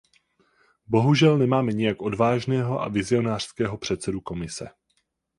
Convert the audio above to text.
Bohužel nemáme nijak odvážného a vizionářského předsedu Komise.